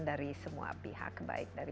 dari semua pihak baik dari